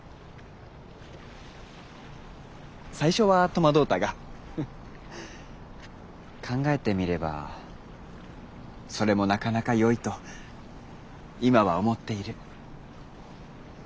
最初は戸惑うたがフッ考えてみればそれもなかなかよいと今は思っている。